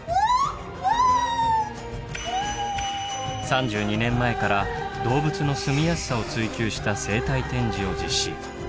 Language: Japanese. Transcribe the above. ３２年前から動物のすみやすさを追求した生態展示を実施。